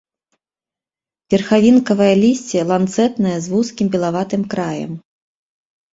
Верхавінкавае лісце ланцэтнае з вузкім белаватым краем.